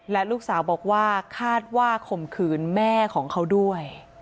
และลูกสาวบอกว่าคาดว่าข่มขืนแม่ของเขาด้วย